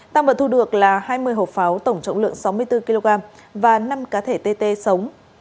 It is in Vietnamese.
tăng vật thu được là hai mươi hộp pháo tổng trọng lượng sáu mươi bốn kg và năm cá thể tt sống